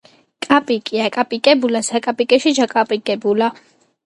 კაპიკი აკაპიკებულა საკაპიკეში ჩაკაპიკრბულა